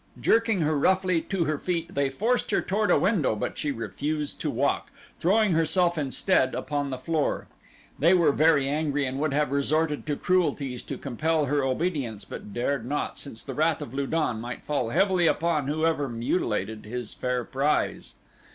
Jerking her roughly to her feet they forced her toward a window but she refused to walk, throwing herself instead upon the floor. They were very angry and would have resorted to cruelties to compel her obedience but dared not, since the wrath of Lu don might fall heavily upon whoever mutilated his fair prize.